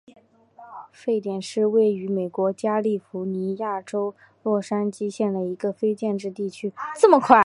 沸点是位于美国加利福尼亚州洛杉矶县的一个非建制地区。